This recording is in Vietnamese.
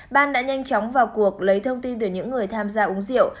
ban đã nhanh chóng vào cuộc lấy thông tin từ những người tham gia uống rượu